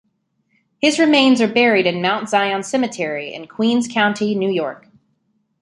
His remains are buried in Mount Zion Cemetery in Queens County, New York.